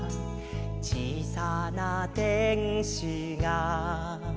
「小さなてんしが」